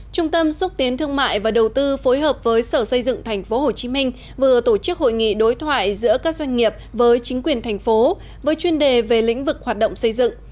trung tâm xúc tiến thương mại và đầu tư phối hợp với sở xây dựng tp hcm vừa tổ chức hội nghị đối thoại giữa các doanh nghiệp với chính quyền thành phố với chuyên đề về lĩnh vực hoạt động xây dựng